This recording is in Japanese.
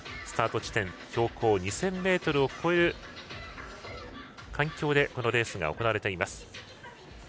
スタート地点は標高２０００ｍを超える環境でこのレースが行われています。